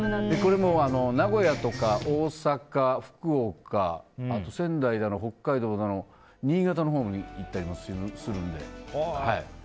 名古屋とか大阪、福岡あと仙台だの北海道だの新潟のほうに行ったりもするので。